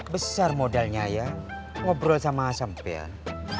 besar modalnya ya ngobrol sama asam pel